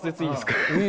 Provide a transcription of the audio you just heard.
いいです。